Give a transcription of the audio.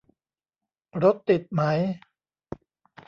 รถติดไหม